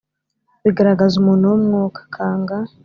bigaragaza umuntu w’umwuka; kangha,